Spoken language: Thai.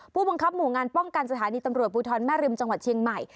ผู้บังคับหมู่งานป้องกันสถานีตำรวจภูทรแม่ริมจังหวัดเชียงใหม่